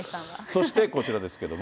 そしてこちらですけれども。